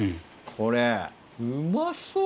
これうまそう！